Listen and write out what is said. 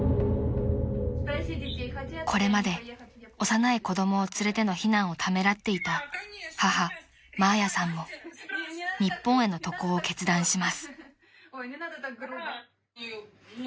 ［これまで幼い子供を連れての避難をためらっていた母マーヤさんも日本への渡航を決断します］